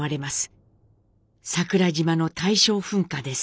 桜島の大正噴火です。